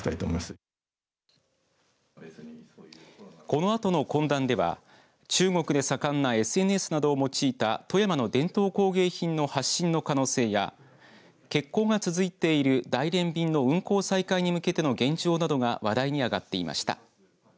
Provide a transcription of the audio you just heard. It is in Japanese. このあとの懇談では中国で盛んなＳＮＳなどを用いた富山の伝統工芸品の発信の可能性や欠航が続いている大連便の運航再開に向けての現状などが話題に上がっていました。